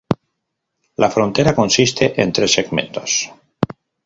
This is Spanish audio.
La frontera consiste en tres segmentos.